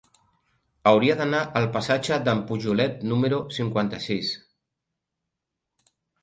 Hauria d'anar al passatge d'en Pujolet número cinquanta-sis.